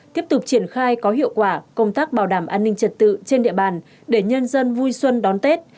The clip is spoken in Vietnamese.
tiếp tục triển khai có hiệu quả công tác bảo đảm an ninh trật tự trên địa bàn để nhân dân vui xuân đón tết